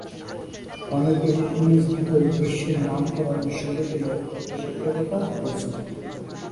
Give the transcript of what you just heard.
অনেকেই পিএইচডি করে বিশ্বের নামকরা বিশ্ববিদ্যালয়ের শিক্ষকতা করছেন।